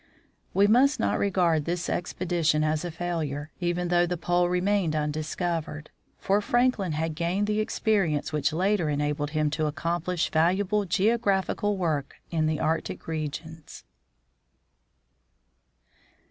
We must not regard this expedition as a failure, even though the pole remained undiscovered, for Franklin had gained the experience which later enabled him to accomplish valuable geographical work in the Arctic regions.